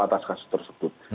atas kasus tersebut